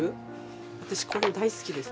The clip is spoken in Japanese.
私これ大好きです。